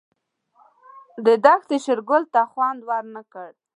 دښتې شېرګل ته خوند ورنه کړ.